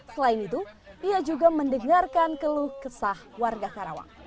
selain itu ia juga mendengarkan keluh kesah warga karawang